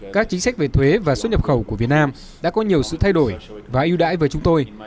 các chính sách về thuế và xuất nhập khẩu của việt nam đã có nhiều sự thay đổi và ưu đãi với chúng tôi